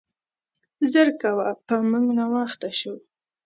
زر کوه, په مونګ ناوخته شو.